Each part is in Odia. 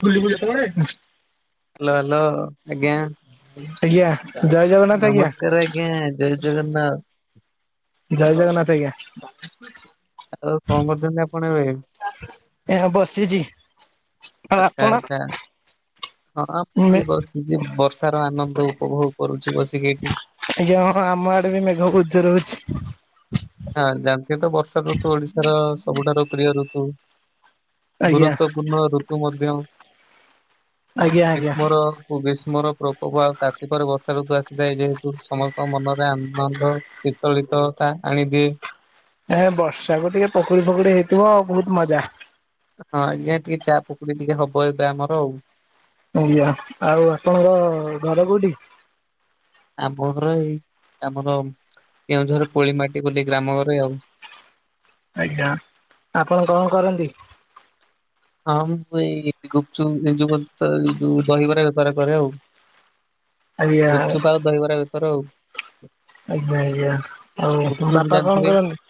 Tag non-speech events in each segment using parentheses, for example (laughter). ବୁଲି ବୁଲି କୁଆଡେ? ହ୍ୟାଲୋ ହ୍ୟାଲୋ ଆଜ୍ଞା। ଆଜ୍ଞା ଜୟ ଜଗନ୍ନାଥ ଆଜ୍ଞା। ନମସ୍କାର ଆଜ୍ଞା ଜୟ ଜଗନ୍ନାଥ ଜୟ ଜଗନ୍ନାଥ ଆଜ୍ଞା। ଆଉ କଣ କରୁଛନ୍ତି ଆପଣ ଏବେ? ଏ ବସିଛି। ଆଉ ଆଚ୍ଛା ଆପଣ ଆଛା। ହଁ ମୁଁ ମେ ବି ବସିଛି ବର୍ଷାର ଆନନ୍ଦ ଉପଭୋଗ କରୁଛି ବସିକି ଏଠି। ଆଜ୍ଞା ହଁ ଆମ ଆଡେ ବି ମେଘ ଉଜର୍ ରହୁଛି। ହଁ ଜାଣିଥିବେ ତ ବର୍ଷା ଋତୁ ଓଡିଶାର ସବୁଠାରୁ ପ୍ରିୟ ଋତୁ। ଆଜ୍ଞା। ଗୁରୁତ୍ୱପୂର୍ଣ୍ଣ ଋତୁ ମଧ୍ୟ ଆଜ୍ଞା ଆଜ୍ଞା ଗ୍ରୀଷ୍ମର ଗ୍ରୀଷ୍ମର ପ୍ରକୋପ ଆଉ ତାତି ପରେ ବର୍ଷା ଋତୁ ଆସିଥାଏ ଯେହେତୁ ସମସ୍ତଙ୍କ ମନରେ ଆନନ୍ଦ। ଶୀତଳିତ ତା ଆଣିଦିଏ। ଏ ବର୍ଷାକୁ ଟିକେ ପକୁଡ଼ି ଫକୁଡ଼ି ହେଇଥିବ ଆଉ ବହୁତ ମଜା। ହଁ ଆଜ୍ଞା ଟିକେ ଚା ପକୁଡି ଟିକେ ହବ ଏବେ ଆମର ଆଉ। ଆଜ୍ଞା ଆଉ ଆପଣଙ୍କ ଘର କୋଉଠି? ଆମ ଘର ଏଇ ଆମର କେଉଁଝର ପୋଳି ମାଟି ବୋଲି ଗ୍ରାମ ଘରେ ଆଉ। ଆଜ୍ଞା ଆପଣ କଣ କରନ୍ତି? ହଁ ମୁଁ ଏଇ ଗୁପଚୁପ ଏ ଯଉ ଯୋଉ ଦହିବରା ବେପାର କରେ ଆଉ। ଆଜ୍ଞା ଗୁପଚୁପ ଆଉ ଦହିବରା ବେପାର ଆଉ। ଆଜ୍ଞା ଆଜ୍ଞା ଆଉ ତମ ଗୁପଚୁପ ବାପା କଣ ଜାଣିଥିବେ କରନ୍ତି?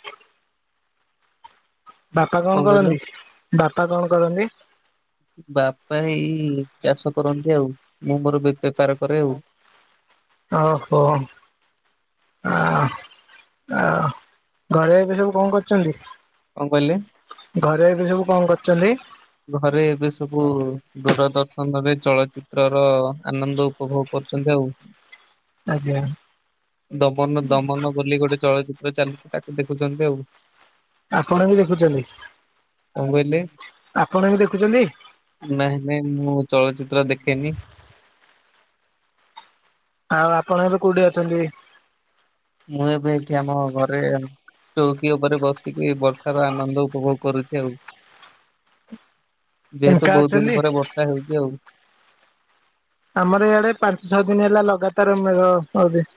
ବାପା କଣ କରନ୍ତି ବାପା କଣ କରନ୍ତି? ବାପା ଏଇ ଚାଷ କରନ୍ତି ଆଉ ମୁଁ ମୋର ବେ ବେପାର କରେ ଆଉ। ଓହୋ। ହୁଁ ଆଉ ଘରେ ଏବେ ସବୁ କଣ କରୁଛନ୍ତି? କଣ କହିଲେ? ଘରେ ଏବେ ସବୁ କଣ କରୁଛନ୍ତି? ଘରେ ଏବେ ସବୁ। ଦୂରଦର୍ଶନରେ ଚଳଚିତ୍ର ର ଆନନ୍ଦ ଉପଭୋଗ କରୁଛନ୍ତି ଆଉ। ଆଜ୍ଞା। ଦବନ ଦମନ ବୋଲି ଗୋଟେ ଚଳଚିତ୍ର ଚାଲିଛି ତାକୁ ଦେଖୁଛନ୍ତି ଆଉ। ଆପଣ ବି ଦେଖୁଛନ୍ତି କଣ କହିଲେ ଆପଣ ବି ଦେଖୁଛନ୍ତି। ନାଇଁ ନାଇଁ ମୁଁ ଚଳଚିତ୍ର ଦେଖେନି। ଆଉ ଆପଣ ଏବେ କୋଉଠି ଅଛନ୍ତି? ମୁଁ ଏବେ ଏଠି ଆମ ଘରେ। ଚୌକି ଉପରେ ବସିକି ବର୍ଷାର ଆନନ୍ଦ ଉପଭୋଗ କରୁଛି ଆଉ। (unintelligible) ଯେହେତୁ ଫାଙ୍କା ବହୁତ ଦିନି ଅଛନ୍ତି ପରେ ବର୍ଷା ହେଉଛି ଆଉ। ଆମର ଇଆଡେ ପାଞ୍ଚ ଛଅ ଦିନି ହେଲା ଲଗାତାର ମେଘ କରିଦେଇଛି।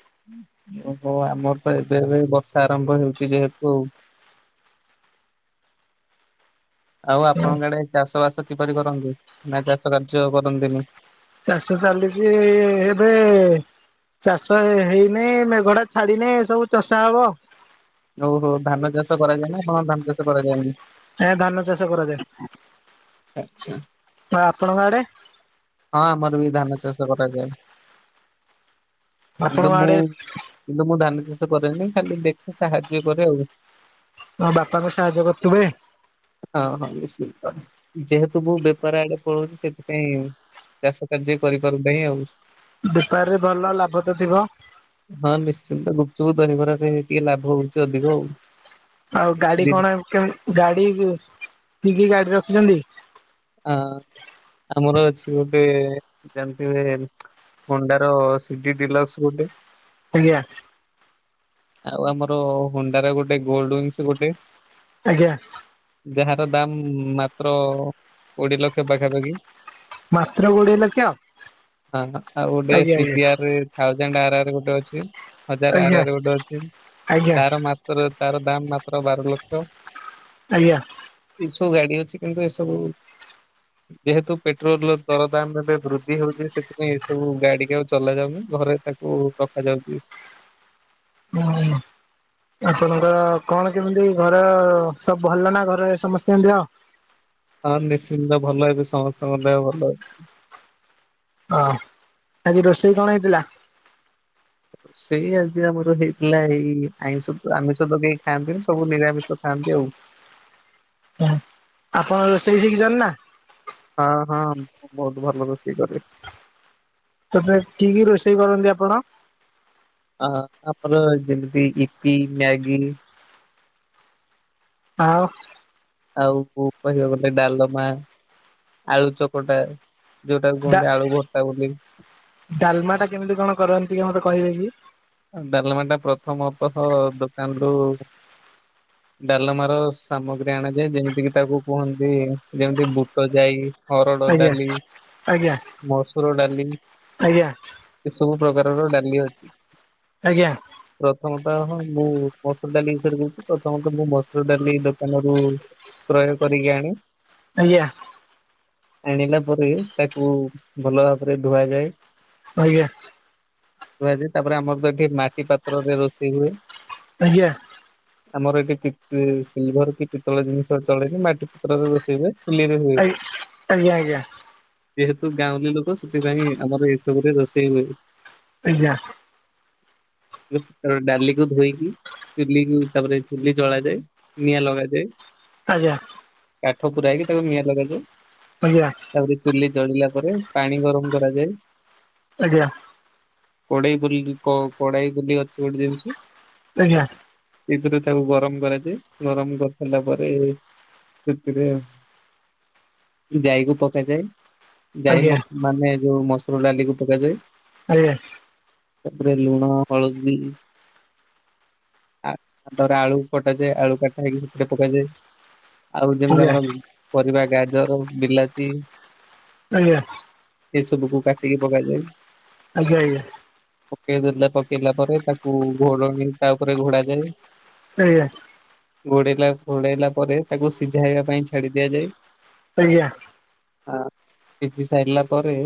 ଓହ୍ ଆମର ତ ଏବେ ଏବେ ବର୍ଷା ଆରମ୍ଭ ହେଉଛି ଯେହେତୁ ଆଉ। (unintelligible) ଆଉ ଆପଣଙ୍କ ଆଡେ ଚାଷ ବାସ କିପରି କରନ୍ତି ନାଇ ଚାଷ କାର୍ଯ୍ୟ କରନ୍ତିନି? ଚାଷ ଚାଲିିଚି ଏବେ। ଚାଷ ହେ ହେଇନି ମେଘଟା ଛାଡିନେ ସବୁ ଚଷା ହବ। ଓହୋ ଧାନ ଚାଷ କରାଯାଏନା ଆପଣ ଧାନ ଚାଷ କରାଯାଏନି। ଆଜ୍ଞା ଧାନ ଚାଷ ଆଚ୍ଛା ଆଚ୍ଛା କରାଯାଏ ଆଉ ଆପଣଙ୍କ ଆଡେ ହଁ ଆମର ବି ଧାନ ଚାଷ କରାଯାଏ କିନ୍ତୁ ଆପଣଙ୍କ ମୁଁ। ଆଡେ କିନ୍ତୁ ମୁଁ ଧାନ ଚାଷ କରେ ନାହିଁ ଖାଲି ଦେଖେ ସାହାଯ୍ୟ କରେ ଆଉ ମୋ ବାପାଙ୍କୁ ସାହାଯ୍ୟ କରୁଥିବେ। ହଁ ହଁ ନିଶ୍ଚିନ୍ତ ଯେହେତୁ ମୁଁ ବେପାର ଆଡେ ପଳଉଛି ସେଥିପାଇଁ ଚାଷ କାର୍ଯ୍ୟ କରିପାରୁନାହିଁ ଆଉ ବେପାରରେ ଭଲ ଲାଭ ତ ଥିବ ହଁ ନିଶ୍ଚିନ୍ତ ଗୁପଚୁପ୍ ଦହି ବରାରେ ଟିକେ ଲାଭ ହଉଛି ଅଧିକ ଆଉ ଆଉ ଗାଡି ଦି କଣ କେ ଗାଡି କି କି ଗାଡି ରଖିଛନ୍ତି? ହଁ ଆମର ଅଛି ଗୋଟେ ଯେମିତି ବି ହଣ୍ଡାର ସିଟି ଡିଲକ୍ସ ଗୋଟେ ଆଜ୍ଞା ଆଉ ଆମର ହୁଣ୍ଡାର ଗୋଟେ ଗୋଲ୍ଡ ୱିଙ୍ଗସ ଗୋଟେ ଆଜ୍ଞା ଯାହାର ଦାମ ମାତ୍ର କୋଡିଏ ଲକ୍ଷ ପାଖାପାଖି। ମାତ୍ର କୋଡିଏ ଲକ୍ଷ (inaudible) ହଁ ହଁ ଆଉ ଗୋଟେ ଆଜ୍ଞା ସିିବିଆର୍ ରେ ଥାଉଜଣ୍ଡ ଆର ଆର୍ ଗୋଟେ ଅଛି ହଜାର ଆର ଆଜ୍ଞା ଆଜ୍ଞା ଆର୍ ଗୋଟେ ଅଛି ଆଜ୍ଞା ତାର ମା ତ୍ର ତାର ଦାମ ମାତ୍ର ବାର ଲକ୍ଷ। ଆଜ୍ଞା। ଏ ସବୁ ଗାଡି ଅଛି କିନ୍ତୁ ଏ ସବୁ ଯେହେତୁ ପେଟ୍ରୋଲ ର ଦରଦାମ ର ଏବେ ବୃଦ୍ଧି ହୋଉଚି ସେଥିପାଇଁ ଏ ସବୁ ଗାଡିିକି ଆଉ ଚଲା ଯାଉନି ଘରେ ତା ଓ ରଖାଯାଥାଉଛି। ହୁଁ ଆପଣଙ୍କର କଣ କେମିତି ଘର ସବୁ ଭଲ ନା ଘରେ ସମସ୍ତେଙ୍କ ଦେହ। ହଁ ନିଶ୍ଚିନ୍ତ ଭଲ ଏବେ ସମସ୍ତଙ୍କ ଦେହ ଭଲ ଅଛି। ଅ ଆଜି ରୋଷେଇ କଣ ହେଇଥିଲା। ସେଇ ଆଜି ଆମର ହେଇଥିଲା ଏଇ ଆମିଷ ଆମିଷ ତ କେହି ଖାଆନ୍ତିନି ସବୁ ନିରାମିଷ ଖାଆନ୍ତି ଆଉ। ଆପନ ରୋଷେଇ ଶିଖିଚନ୍ତି ନା। ହଁ ହଁ ବହୁତ ଭଲ ରୋଷ କରେ। ତଥପି କି କି ରୋଷେଇ କରନ୍ତି ଆପଣ। ଅ ଆମର ଯେମିତି ଇପି ମ୍ୟାଗି ଆଉ ଆଉ କୁ କହିବାକୁ ଗଲେ ଡାଲମା ଆଳୁ ଚକଟା। ଯୋଉଟାକୁ ଡା କୁହନ୍ତି ଆଳୁ ଭର୍ତା ବୋଲି। ଡାଲମା ଟା କେମିତି କଣ କରନ୍ତି ଟିକେ ମତେ କହିବେ କି? ଡାଲମା ଟା ପ୍ରଥମତଃ ଦୋକାନରୁୁ (inaudible) ଡାଲମାର ସାମଗ୍ରୀ ଆଣାଯାଏ ଯେମିତି କିି ତାକୁ କୁହନ୍ତି ଯେମିତି ବୁଟ ଯାଇ ଅରଡ଼ ଆଜ୍ଞା ଡାଲି ଆଜ୍ଞା ମସୁର ଡାଲି ଆଜ୍ଞା ଏସବୁ ପ୍ରକାରର ଡାଲି ଅଛି। ଆଜ୍ଞା। ପ୍ରଥମତଃ ହଁ ମୁଁ ମସୁର ଡାଲି ବିଷରେ କହୁଛି ପ୍ରଥମତଃ ମୁଁ ମସୁର ଡାଲି ଦୋକାନରୁ କ୍ରୟ କରିକି ଆଣେ। ଆଜ୍ଞା। ଆଣିଲା ପରେ ତାକୁ ଭଲ ଭାବରେ ଧୁଆଯାଏ। ଆଜ୍ଞା। ଧୁଆଯଏ ତାପରେ ଆମର ତ ଏଠି ମାଟି ପାତ୍ରରେ ରୋଷେଇ ହୁଏ। ଆଜ୍ଞା। ଆମର ଏଠି ପିତ୍ ସିଲଭର କି ପିତଳ ଜିନିଷ ଚଳେନି ମାଟି ପାତ୍ରରେ ରୋଷେଇ ହୁଏ। ଚୁଲିରେ ହୁଏ। ଆଜ୍ଞା ଆଜ୍ଞା ଆଜ୍ଞା ଆଜ୍ଞା ଆଜ୍ଞା ଯେହେତୁ ଗାଁଉଲି ଲୋକ ସେଥିପାଇଁ ଆମର ଏସବୁରେ ରୋଷେଇ ହୁଏ। ଆଜ୍ଞା। କାରଣ ଡାଲିକୁ ଧୋଇକି ଚୁଲି କୁ ତାପରେ ଚୁଲି ଜଳାଯାଏ ନିଆଁ ଲଗାଯାଏ। ଆଜ୍ଞା। କାଠ ପୁରା ହେଇକି ତାକୁ ନିଆଁ ଲଗାଯାଏ। ଆଜ୍ଞା। ତାପରେ ଚୁଲି ଚଳିଲା ପରେ ପାଣି ଗରମ କରାଯାଏ। ଆଜ୍ଞା। କଡେଇ ବୁଲି କ କଡେଇ ବୁଲି ଅଛି ଗୋଟେ ଜିନିଷ। ଆଜ୍ଞା। ସେଇଥିରେ ତାକୁ ଗରମ କରାଯାଏ। ଗରମ କରିସାରିଲା ପରେ ସେଥିରେ ଜାଇକୁ ପକାଯାଏ। ଜାଇ ଆଜ୍ଞା ମତ ମାନେ ଯୋଉ ମସୁର ଡାଲିକୁ ପକାଯାଏ। ଆଜ୍ଞା। ତାପରେ ଲୁଣ ହଳଦୀ ଆ ତାପରେ ଆଳୁ କଟାଯାଏ ଆଳୁ କାଟା ହେଇକି ସେଥିରେ ପକାଯାଏ। ଆଉ ଯେମିତି ଆଜ୍ଞା ଆମର ପରିବା ଗାଜର ବିଲାତି ଆଜ୍ଞା। ଏ ସବୁକୁ କାଟିକି ପକାଯାଏ। ଆଜ୍ଞା ଆଜ୍ଞା। ପକେଇ ଦେଲା ପକେଇଲା ପରେ ତାକୁ ଘୋଡଣି ତା ଉପରେ ଘୋଡାଯାଏ। ଆଜ୍ଞା। ଘୋଡେଇଲା ଘୋଡେଇଲା ପରେ ତାକୁ ସିଝାଇବା ପାଇଁ ଛାଡି ଦିଆଯାଏ। ଆଜ୍ଞା। ହଁ ସିଝୀ ସାରିଲା ପରେ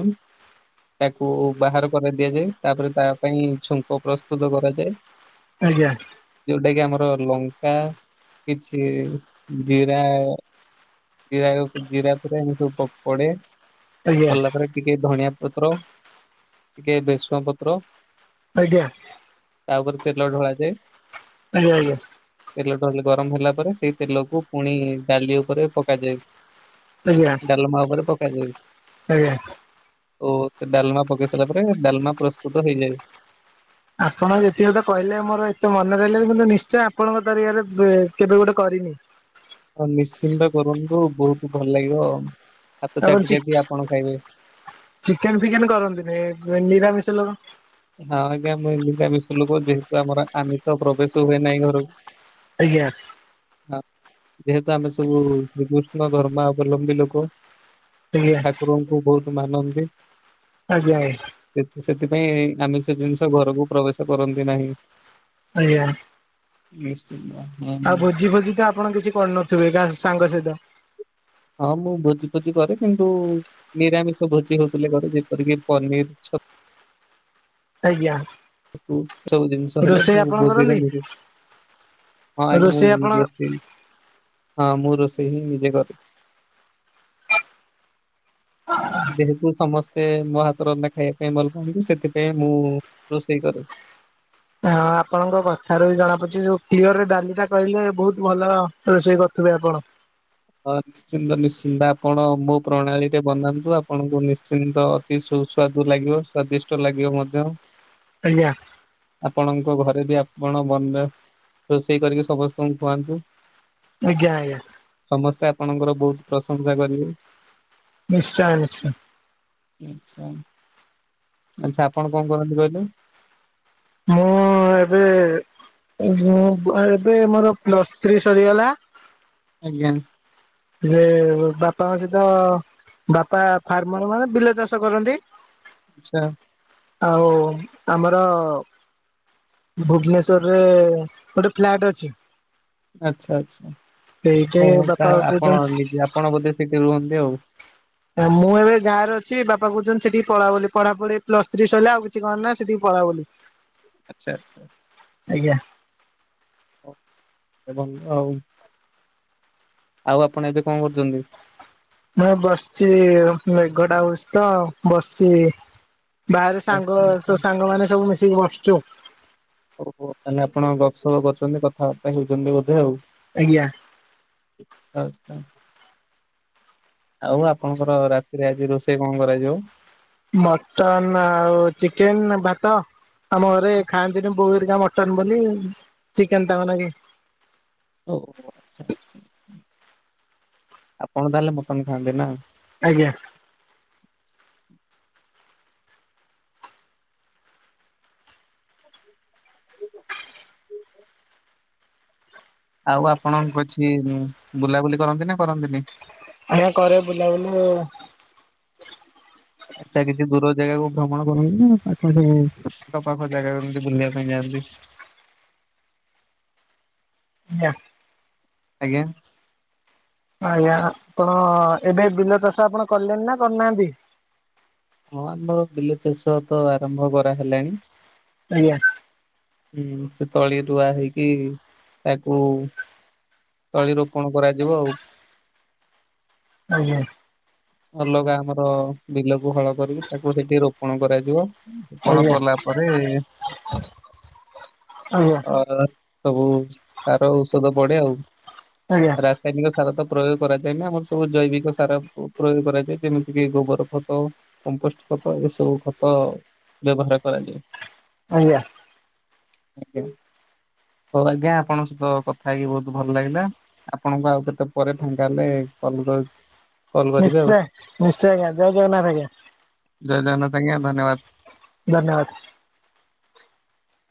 ତାକୁ ବାହାର କରା ଦିଆଯାଏ ତାପରେ ତା ପାଇଁ ଛୁଙ୍କ ପ୍ରସ୍ତୁତ କରାଯାଏ। ଆଜ୍ଞା। ଯୋଉଟା କି ଆମର ଲଙ୍କା କିଛି ଜିରା ଜିରା ଜିରା ଫିରା ଏମିତି ସବୁ ପ ପଡେ। ଆଜ୍ଞା କଲା ପରେ ଟିକେ ଧଣିଆ ପତ୍ର ଟିକେ ଭେରସୁଙ୍ଗା ପତ୍ର। ଆଜ୍ଞା। ତା ଉପରେ ତେଲ ଢଳାଯାଏ। ଆଜ୍ଞା ଆଜ୍ଞା। ତେଲ ଢ଼ାଳିଲି ଗରମ ହେଲା ପରେ ସେଇ ତେଲକୁ ପୁଣି ଡାଲି ଉପରେ ପକାଯାଏ। ଆଜ୍ଞା ଆଜ୍ଞା ଡାଲମା ଉପରେ ପକାଯାଏ। ଆଜ୍ଞା ଓ ସେ ଡାଲମା ପକେଇ ସାରିଲା ପରେ ଡାଲମା ପ୍ରସ୍ତୁତ ହେଇଯାଏ। ଆପଣ ଯେତିକିତ କହିଲେ ମୋର ଏତେ ମନେ ରହିଲାନୀ। କିନ୍ତୁ ନିଶ୍ଚୟ ଆପଣଙ୍କ ତରିକାରେ ବେ କେବେ ଗୋଟେ କରିବି। ହଉ ନିଶ୍ଚିନ୍ତ କରନ୍ତୁ ବହୁତ ଭଲ ଲାଗିବ। ହାତ ଆପଣ ଚାଟି ଚି ଚାଟି ଆପଣ ଖାଇବେ। ଚିକେନ ଫିକେନ କରନ୍ତିନି ନି ନିରାମିଷ ଲୋକ। ହଁ ଆଜ୍ଞା ମୁଁ ଏମିତି ଆମିଷ ଲୋକ ଯେହେତୁ ଆମର ଆମିଷ ପ୍ରବେଶ ହୁଏ ନାହିଁ ଘରୁକୁ ଆଜ୍ଞା। ହଁ ଯେହେତୁ ଆମେ ସବୁ ଶ୍ରୀକୃଷ୍ଣ ଧର୍ମା ଅବଲମ୍ବୀ ଲୋକ ଆଜ୍ଞା ଠାକୁରଙ୍କୁ ବହୁତ ମାନନ୍ତି। ଆଜ୍ଞା ଆ ସେଥି ସେଥିପାଇଁ ଆମିଷ‌ ଜିନିଷ ଘରକୁ ପ୍ରବେଶ କରନ୍ତି ନାହିଁ। ଆଜ୍ଞା। ନିଶ୍ଚିନ୍ତ ହଁ। ଆଉ ଭୋଜି ଫୋଜି ତ ଆପଣ କିଛି କରୁନଥିବେଗାଁ ସାଙ୍ଗ ସହିତ? ହଁ ମୁଁ ଭୋଜି ଫୋଜି କରେ କିନ୍ତୁ ନିରାମିଷ ଭୋଜି ହଉଥିଲେ କରେ ଯେପରିକି ପନିର ଛ ଆଜ୍ଞା। ତୁ ଏସବୁ ଜିନିଷ ହେଲେ ରୋଷେଇ (unintelligible) ଆପଣ ଭୋଜିରେ କରନ୍ତି (inaudible) ହଁ ଆଜ୍ଞା ମୁଁ ରୋଷେଇ ଆପଣ ରୋଷେଇ। ହଁ ମୁଁ ରୋଷେଇ ହିଁ ନିଜେ କରେ। ଯେହେତୁ ସମସ୍ତେ ମୋ ହାତର ରନ୍ଧା ଖାଇବା ପାଇଁ ଭଲ ପାଆନ୍ତି, ସେଥିପାଇଁ ମୁଁ ରୋଷେଇ କରେ। ହଁ ଆପଣଙ୍କ କଥାରୁ ବି ଜଣା ପଡିଛି, ଯୋଉ କ୍ଲିୟର ରେ ଡାଲି ଟା କହିଲେ ବହୁତ ଭଲ ରୋଷେଇ କରୁଥିବେ ଆପଣ। ହ ଶ୍ଚିନ୍ତ ନିଶ୍ଚିନ୍ତ ଆପଣ ମୋ ପ୍ରଣାଳୀରେ ବନାନ୍ତୁ ଆପଣଙ୍କୁ ନିଶ୍ଚିନ୍ତ ଅତି ସୁସ୍ୱାଦୁ ଲାଗିବ। ସ୍ଵାଦିଷ୍ଟ ଲାଗିବ ମଧ୍ୟ। ଆଜ୍ଞା। ଆପଣଙ୍କ ଘରେ ବି ଆପଣ ବନ ରୋଷେଇ କରିକି ସମସ୍ତଙ୍କୁ ଖୁଆନ୍ତୁ। ଆଜ୍ଞା ଆଜ୍ଞା। ସମସ୍ତେ ଆପଣଙ୍କର ବହୁତ ପ୍ରଶଂସା କରିବେ। ନିଶ୍ଚୟ ନିଶ୍ଚୟ। ଆଚ୍ଛା ଆପଣ କଣ କରନ୍ତି କହିଲେ? ମୁଁ ଏବେ ମୁଁ ଏବେ ମୋର ପ୍ଲସ୍ ଥ୍ରୀ ସରିଗଲା। ଆଜ୍ଞା। ଯେ ବାପାଙ୍କ ସହିତ ବାପା ଫାର୍ମର ମାନେ ବିଲ ଚାଷ କରନ୍ତି। ଆଚ୍ଛା। ଆଉ ଆମର ଭୁବନେଶ୍ଵରରେ ଗୋଟେ ଫ୍ଲାଟ ଅଛି। ଆଚ୍ଛା ଆଚ୍ଛା ସେଇଠି ଓହୋ ବାପା ତାହଲେ ଆପଣ କହୁଛନ୍ତି ନିଜେ ଆପଣ ବୋଧେ ସେଠି ରୁହନ୍ତି ଆଉ। ମୁଁ ଏବେ ଗାଁରେ ଅଛି ବାପା କହୁଛନ୍ତି ସେଠିକି ପଳା ବୋଲି ପଢ଼ା ପଢ଼ି ପ୍ଲ ଥ୍ରୀ ସରିଲା ଆଉ କିଛି କରନା ସେଠିକି ପଳା ବୋଲି। (inaudible) ଆଚ୍ଛା ଆଚ୍ଛା। ଆଜ୍ଞା। ଆଉ ଆପଣ ଏବେ କଣ କରୁଛନ୍ତି? ମୁଁ ବସିଛି ମେଘ ଟା ହଉଛି ତ ବସିଚି। ବାହାରେ ସାଙ୍ଗ ଆଚ୍ଛା ଆଚ୍ଛା। ସବୁ ସାଙ୍ଗମାନେ ସବୁ ମିସେଇକି ବସିଛୁ ଆଉ। ହଉ ହଉ ତାହଲେ ଆପଣ ଗପସପ କରୁଛନ୍ତି କଥାବାର୍ତ୍ତା ହେଉଛନ୍ତି ବୋଧେ ଆଉ ଆଜ୍ଞା। ଆଚ୍ଛା ଆଚ୍ଛା। ଆଉ ଆପଣଙ୍କର ରାତିରେ ଆଜି ରୋଷେଇ କଣ କରାଯିବ? ମଟନ୍ ଆଉ ଚିକେନ୍ ଭାତ ଆମ ଘରେ ଖାଆନ୍ତିନି ବୋଉ ହେରିକା ମ ଟନ୍ ବୋଲି ଚିକେନ୍ ତାଙ୍କ ନାଗି ଓ ଆଚ୍ଛା ଆଚ୍ଛା ଆପଣ ତାହେଲେ ମଟନ ଖାଆନ୍ତି ନା? ଆଜ୍ଞା। ଆଉ ଆପଣ କୁଛି ବୁଲାବୁଲି କରନ୍ତି ନା କରନ୍ତିନି? ଆଜ୍ଞା କରେ ବୁଲାବୁଲି। ଆଛା କିଛି ଦୂର ଜାଗାକୁ ଭ୍ରମଣ କରନ୍ତି ନା ପାଖ ଜାଗାକୁ ଆଖପାଖ ଜାଗାକୁ ଏମିତି ବୁଲିବା ପାଇଁ ଯାଆନ୍ତି? ନାଁ। ଆଜ୍ଞା। ଆଜ୍ଞା ଆପଣ ଏବେ ବିଲ ଚାଷ ଆପଣ କଲେଣି ନା କରିନାହାନ୍ତି? ହଁ ଆମର ବିଲ ଚାଷ ତ ଆରମ୍ଭ କରାହେଲାଣି। ଆଜ୍ଞା। ହୁଁ ସେ ତଳି ରୁଆ ହେଇକି ତାକୁ ତଳି ରୋପଣ କରାଯିବ ଆଉ। ଆଜ୍ଞା। ଅଲଗା ଆମର ବିଲକୁ ହଳ କରିକି ତାକୁ ସେଠି ରୋପଣ କରାଯିବ। ରୋପଣ ଆଜ୍ଞା କଲା ପରେ ଆଜ୍ଞା ଅ ସବୁ ତାର ଔଷଧ ପଡେ ଆଉ ରା ଆଜ୍ଞା ରାସାୟନିକ ସାର ତ ପ୍ରୟୋଗ କରାଯାଏନି ଆମର ସବୁ ଜୈବିକ ସାର। ପ୍ରୟୋଗ କରାଯାଏ ଯେମିତି କି ଗୋବର ଖତ କମ୍ପୋଷ୍ଟ ଖତ ଏସବୁ ଖତ। ବ୍ୟବହାର କରାଯାଏ ଆଜ୍ଞା ଆଜ୍ଞା ଆପଣଙ୍କ ସହିତ କଥା ହେଇକି ବହୁତ ଭଲ ଲାଗିଲା। ଆପଣଙ୍କୁ ଆଉ କେତେ ପରେ ଫାଙ୍କା ହେଲେ କଲ କରୁଚି। ନିଶ୍ଚୟ ନିଶ୍ଚୟ ଆଜ୍ଞା ଜୟ ଜଗନ୍ନାଥ ଆଜ୍ଞା। ଜୟ ଜଗନ୍ନାଥ ଆଜ୍ଞା ଧନ୍ୟବାଦ। ଧନ୍ୟବାଦ